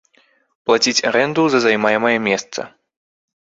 Плаціць арэнду за займаемае месца.